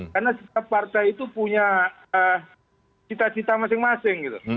karena setiap partai itu punya cita cita masing masing